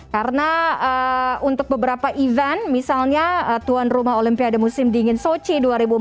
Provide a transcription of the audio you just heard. karena untuk beberapa event misalnya tuan rumah olimpiade musim dingin sochi dua ribu empat belas